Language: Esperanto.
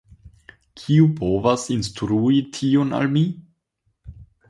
Kiu povas instrui tion al mi?